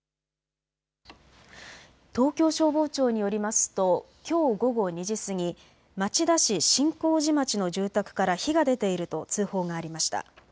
東京消防庁によりますときょう午後２時過ぎ、町田市真光寺町の住宅から火が出ていると通報がありました。